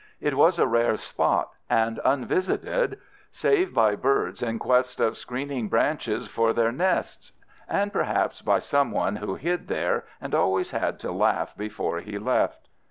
It was a rare spot, and unvisited save by birds in quest of screening branches for their nests and perhaps by some one who hid there and always had to laugh before he left.